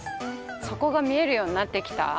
底が見えるようになってきた？